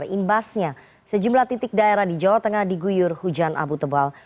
imbasnya sejumlah titik daerah di jawa tengah diguyur hujan abu tebal